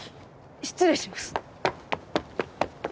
失礼します。